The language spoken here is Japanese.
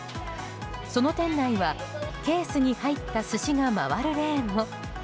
その店内は、ケースに入った寿司が回るレーンも。